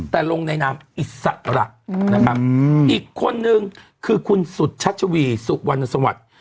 แต่ลงในนามอิสระนะครับอีกคนนึงคือคุณสุชัชวีสุวรรณสวัสดิ์